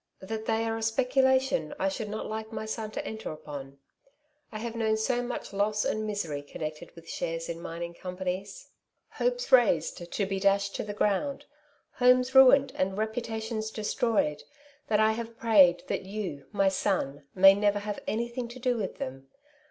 ^^ That they are a speculation I should not like my son to enter upon. I have known so much loss and misery connected with shares in mining companies; hopes raised, to be dashed to the ground ; homes ruined and reputations destroyed— that I have prayed that you, my son, may never have anything to do with them.